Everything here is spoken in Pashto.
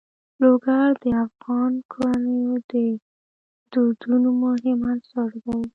لوگر د افغان کورنیو د دودونو مهم عنصر دی.